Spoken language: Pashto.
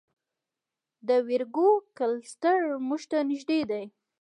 د ویرګو کلسټر موږ ته نږدې دی.